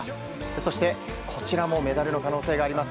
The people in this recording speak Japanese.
そして、こちらもメダルの可能性があります。